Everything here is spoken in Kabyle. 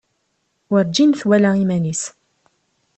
Werǧin i twala iman-is.